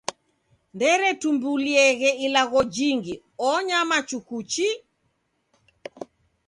Nderetumbulieghe ilagho jingi onyama chuku chi.